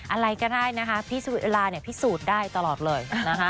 อะไรก็ได้นะคะพิสูจน์พิสูจน์ได้ตลอดเลยนะฮะ